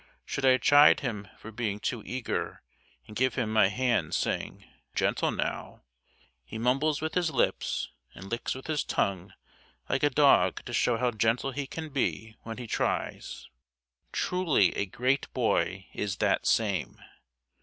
Should I chide him for being too eager and give him my hand saying, "Gentle now," he mumbles with his lips, and licks with his tongue like a dog to show how gentle he can be when he tries. Truly a great boy is that same.